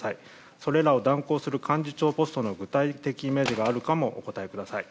それらを断行する幹事長ポストの具体的なイメージがあるかもお答えください。